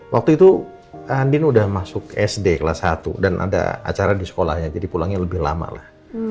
waktu itu andin sudah masuk sd kelas satu dan ada acara di sekolahnya jadi pulangnya lebih lama lah